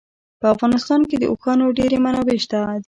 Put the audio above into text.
په افغانستان کې د اوښانو ډېرې منابع شته دي.